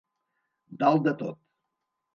Dalt de tot.